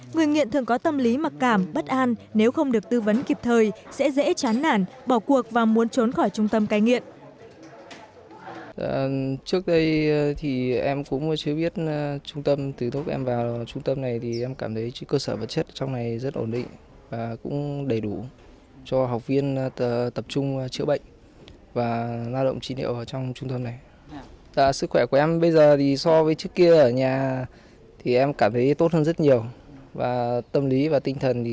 người nghiện thường có tâm lý mặc cảm bất an nếu không được tư vấn kịp thời sẽ dễ chán nản bỏ cuộc và muốn trốn khỏi trung tâm cai nghiện